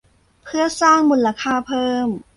เพื่อสร้างมูลค่าเพิ่ม